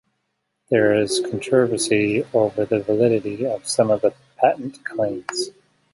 There is controversy over the validity of some of the patent claims.